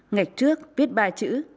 ngạch trước viết ba chữ